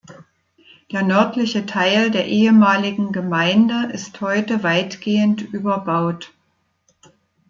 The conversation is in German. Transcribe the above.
Der nördliche Teil der ehemaligen Gemeinde ist heute weitgehend überbaut.